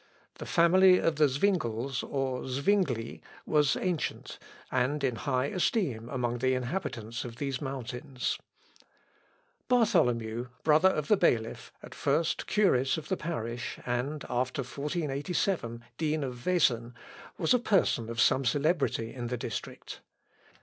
The family of the Zwingles, or Zwingli, was ancient, and in high esteem among the inhabitants of these mountains. Bartholomew, brother of the bailiff, at first curate of the parish, and, after 1487, dean of Wesen, was a person of some celebrity in the district.